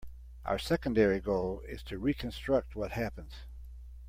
Our secondary goal is to reconstruct what happened.